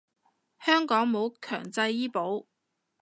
香港冇強制醫保